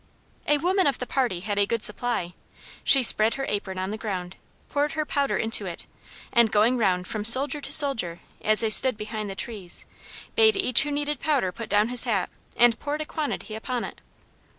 A woman of the party had a good supply. She spread her apron on the ground, poured her powder into it, and going round from soldier to soldier, as they stood behind the trees, bade each who needed powder put down his hat, and poured a quantity upon it.